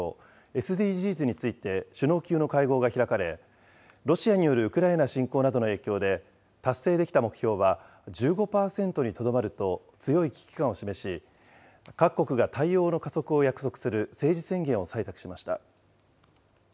・ＳＤＧｓについて首脳級の会合が開かれ、ロシアによるウクライナ侵攻などの影響で、達成できた目標は１５％にとどまると強い危機感を示し、各国が対応の加速を約束する政治宣言を採択しました。